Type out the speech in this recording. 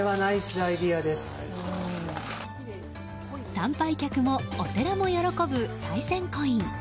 参拝客もお寺も喜ぶさい銭コイン。